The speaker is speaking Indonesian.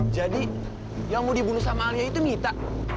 jadi yang mau dibunuh sama alia itu mita